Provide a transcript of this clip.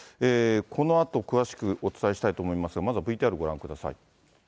このあと詳しくお伝えしたいと思いますが、まずはＶＴＲご覧ください。